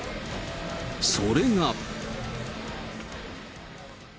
それが。